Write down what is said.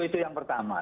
itu yang pertama